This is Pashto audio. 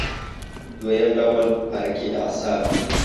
دویم ډول حرکي اعصاب دي.